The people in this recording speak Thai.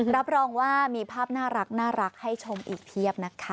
รับรองว่ามีภาพน่ารักให้ชมอีกเพียบนะคะ